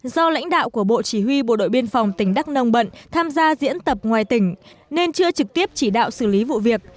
do lãnh đạo của bộ chỉ huy bộ đội biên phòng tỉnh đắk nông bận tham gia diễn tập ngoài tỉnh nên chưa trực tiếp chỉ đạo xử lý vụ việc